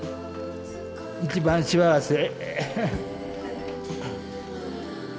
一番幸せ。